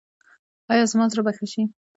ایا زما زړه به ښه شي؟